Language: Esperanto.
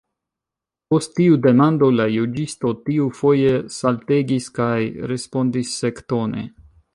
Post tiu demando la juĝisto tiufoje saltegis, kaj respondis sektone.